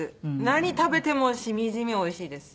何食べてもしみじみおいしいです。